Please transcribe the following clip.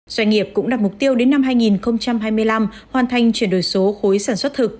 doanh nghiệp cũng đặt mục tiêu đến năm hai nghìn hai mươi năm hoàn thành chuyển đổi số khối sản xuất thực